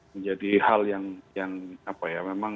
menjadi hal yang yang apa ya